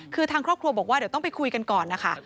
คือทางครอบครัวบอกว่าเดี๋ยวต้องไปคุยกันก่อนนะคะ